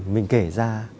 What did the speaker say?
mình kể ra